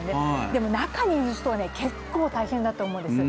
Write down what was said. でも中にいる人は結構、大変だと思うんです。